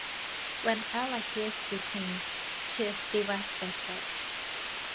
When Ella hears this news, she is devastated.